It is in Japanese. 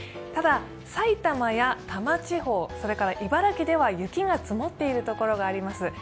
ただ、埼玉や多摩地方、茨城では雪が積もっているところがあります。